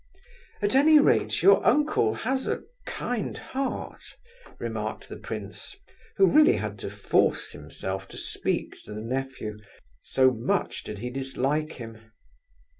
"At any rate, your uncle has a kind heart," remarked the prince, who really had to force himself to speak to the nephew, so much did he dislike him.